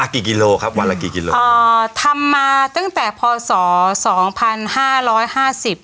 กี่กิโลครับวันละกี่กิโลอ่าทำมาตั้งแต่พศสองพันห้าร้อยห้าสิบ